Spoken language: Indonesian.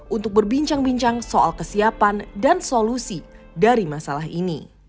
untuk berbincang bincang soal kesiapan dan solusi dari masalah ini